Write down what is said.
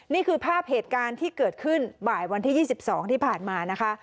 นี่คือภาพเหตุการณ์ที่เกิดขึ้นบ่ายวันที่๒๒ที่ผ่านมานะคะ